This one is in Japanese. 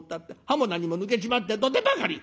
歯も何も抜けちまって土手ばかり」。